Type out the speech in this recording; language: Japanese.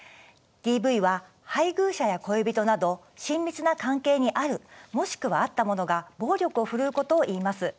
ＤＶは配偶者や恋人など親密な関係にあるもしくはあった者が暴力を振るうことをいいます。